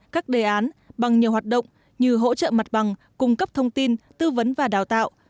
các đề án bằng nhiều hoạt động như hỗ trợ mặt bằng cung cấp thông tin tư vấn và đào tạo